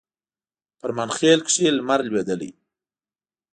فرمانخیل کښي لمر لوېدلی